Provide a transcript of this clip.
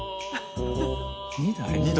２台？